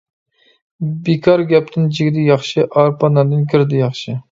بىكار گەپتىن جىگدە ياخشى، ئارپا ناندىن گىردە ياخشى.